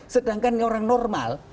sedangkan orang normal